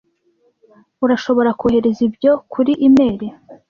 Urashobora kohereza ibyo kuri imeri?